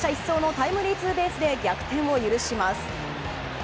走者一掃のタイムリーツーベースで逆転を許します。